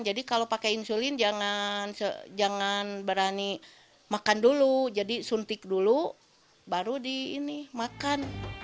jadi kalau pakai insulin jangan berani makan dulu jadi suntik dulu baru dimakan